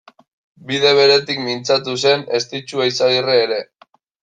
Bide beretik mintzatu zen Estitxu Eizagirre ere.